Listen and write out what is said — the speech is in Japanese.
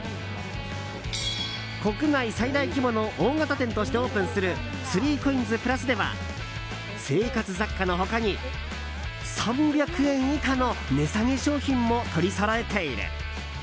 国内最大規模の大型店としてオープンする３ＣＯＩＮＳ＋ｐｌｕｓでは生活雑貨の他に３００円以下の値下げ商品も取りそろえている。